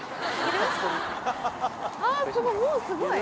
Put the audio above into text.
すごい。